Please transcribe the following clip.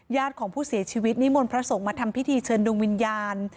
ญาติของผู้เสียชีวิตนิมนต์พระสงฆ์มาทำพิธีเชิญดวงวิญญาณ